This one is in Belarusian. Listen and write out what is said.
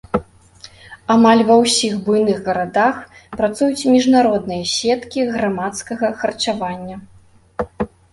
Амаль ва ўсіх буйных гарадах працуюць міжнародныя сеткі грамадскага харчавання.